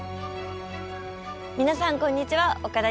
皆さんこんにちは岡田結実です。